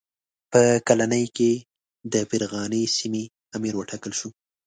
په کلنۍ کې د فرغانې سیمې امیر وټاکل شو.